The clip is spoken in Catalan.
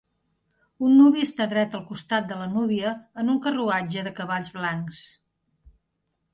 Un nuvi està dret al costat de la núvia en un carruatge de cavalls blancs.